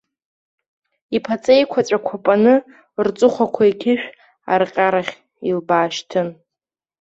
Иԥаҵа еиқәаҵәақәа паны, рҵыхәақәа иқьышә арҟьарахь илбаашьҭын.